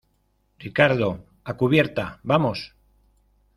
Ricardo, a cubierta. ¡ vamos!